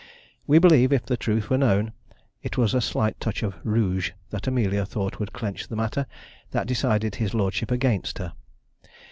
We believe, if the truth were known, it was a slight touch of rouge, that Amelia thought would clench the matter, that decided his lordship against her.